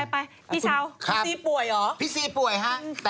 ไปพี่เช้าพี่ซีป่วยเหรอพี่ซีป่วยฮะ